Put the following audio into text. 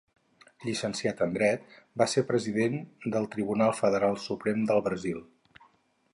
Llicenciat en dret, va ser president del Tribunal Federal Suprem del Brasil.